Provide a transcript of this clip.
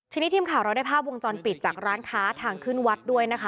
ทีนี้ทีมข่าวเราได้ภาพวงจรปิดจากร้านค้าทางขึ้นวัดด้วยนะคะ